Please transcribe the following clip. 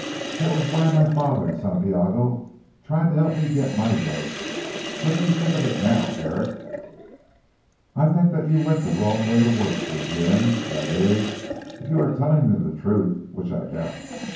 That was why my father and Santiago tried to help me to get my rights. What do you think of it now Herrick?" "I think that you went the wrong way to work," said Jim, "that is if you are telling me the truth, which I doubt."